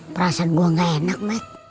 perasaan gua gak enak mat